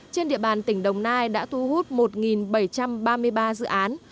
trên địa bàn tỉnh đồng nai đã thu hút một bảy trăm ba mươi ba dự án